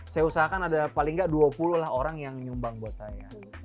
saya usahakan ada paling nggak dua puluh lah orang yang nyumbang buat saya